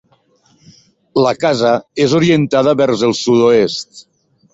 La casa és orientada vers el sud-oest.